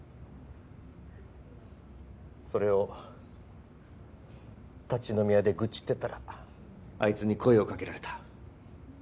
それを立ち飲み屋で愚痴ってたらあいつに声をかけられた。